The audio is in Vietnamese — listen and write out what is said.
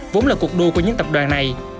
vốn là cuộc đua của những tập đoàn này